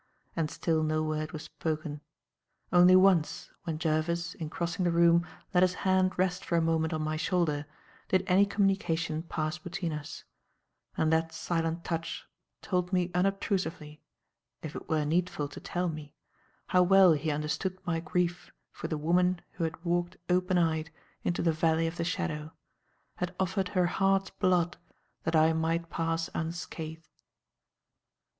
And still no word was spoken. Only once, when Jervis, in crossing the room, let his hand rest for a moment on my shoulder, did any communication pass between us; and that silent touch told me unobtrusively if it were needful to tell me how well he understood my grief for the woman who had walked open eyed into the valley of the shadow, had offered her heart's blood that I might pass unscathed.